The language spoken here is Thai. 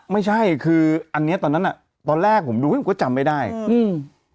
ไม่ใช่คืออันเนี้ยตอนนั้นอ่ะตอนแรกผมดูก็จำไม่ได้อืม